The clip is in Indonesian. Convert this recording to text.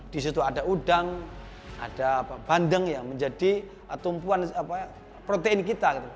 di situ ada udang ada bandeng yang menjadi tumpuan protein kita